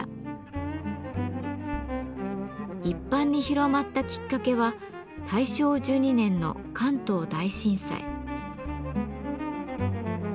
一般に広まったきっかけは大正１２年の関東大震災。